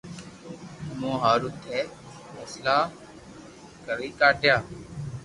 مون ھارو ٿي مسلئ ڪرو ڪاڌيو